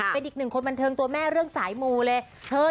เป็นอีกหนึ่งคนบันเทิงตัวแม่เรื่องสายมูเลย